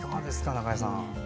中江さん。